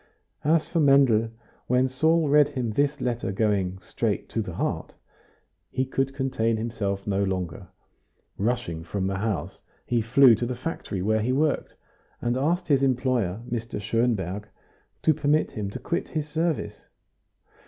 As for Mendel, when Saul read him this letter going "straight to the heart," he could contain himself no longer; rushing from the house he flew to the factory where he worked, and asked his employer, Mr. Schonberg, to permit him to quit his service.